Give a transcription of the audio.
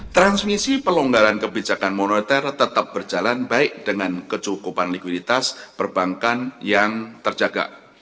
transmisi pelonggaran kebijakan moneter tetap berjalan baik dengan kecukupan likuiditas perbankan yang terjaga